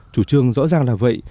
chủ trương rõ ràng là vậy